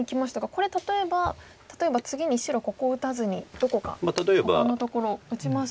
これ例えば次に白ここ打たずにどこかほかのところ打ちますと。